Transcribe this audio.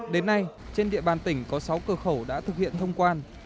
đến nay trên địa bàn tỉnh có sáu cửa khẩu đã thực hiện thông quan